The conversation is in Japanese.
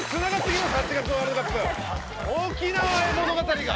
沖縄へ物語が。